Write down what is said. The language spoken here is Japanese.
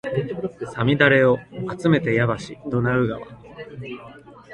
五月雨をあつめてやばしドナウ川